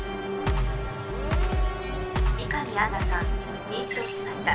美神アンナさん認証しました。